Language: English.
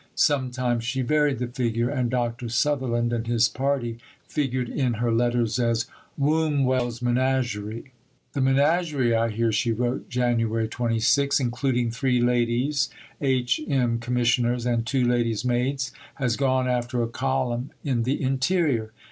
Sometimes she varied the figure, and Dr. Sutherland and his party figured in her letters as Wombwell's Menagerie. "The Menagerie, I hear," she wrote (Jan. 26), "including three ladies, H.M. Commissioners, and two ladies' maids, has gone after a column in the interior."